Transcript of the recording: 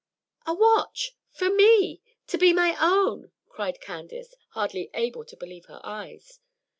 "A watch! for me! to be my own!" cried Candace, hardly able to believe her eyes.